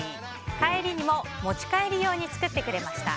帰りにも持ち帰り用に作ってくれました。